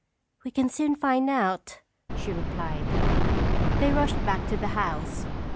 "We can soon find out," she replied. They rushed back to the house. Mrs.